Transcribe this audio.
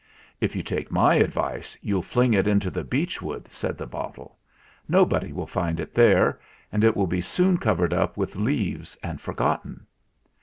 "If you take my advice, you'll fling it into the beech wood," said the bottle. "Nobody will find it there, and it will be soon covered up with leaves and forgotten.